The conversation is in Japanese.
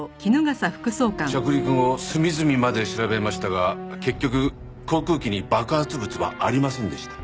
着陸後隅々まで調べましたが結局航空機に爆発物はありませんでした。